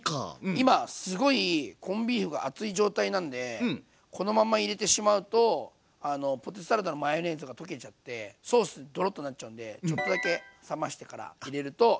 今すごいコンビーフが熱い状態なんでこのまんま入れてしまうとポテトサラダのマヨネーズが溶けちゃってソースドロッとなっちゃうんでちょっとだけ冷ましてから入れるといいと思います。